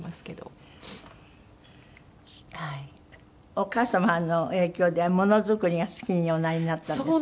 お母様の影響でものづくりが好きにおなりになったんですって？